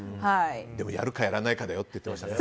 でもやるかやらないかだよって言ってましたね。